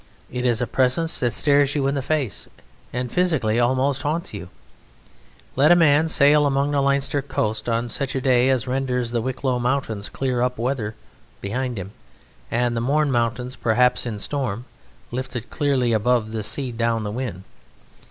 It is a presence that stares you in the face, and physically almost haunts you. Let a man sail along the Leinster coast on such a day as renders the Wicklow Mountains clear up weather behind him, and the Mourne Mountains perhaps in storm, lifted clearly above the sea down the wind.